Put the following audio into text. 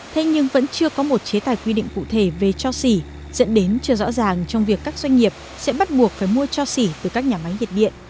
thế nhưng vẫn chưa có một chế tài quy định cụ thể về cho xỉ dẫn đến chưa rõ ràng trong việc các doanh nghiệp sẽ bắt buộc phải mua cho xỉ từ các nhà máy nhiệt điện